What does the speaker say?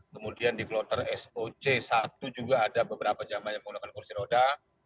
kemudian di kloter soc satu juga ada beberapa jamaah yang menggunakan kursi roda